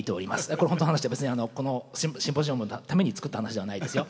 これ本当の話で別にこのシンポジウムのために作った話ではないですよ。